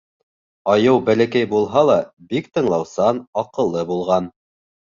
Айыу бәләкәй булһа ла бик тыңлаусан, аҡыллы булған.